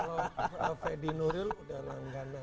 kalau freddy nuril udah langganan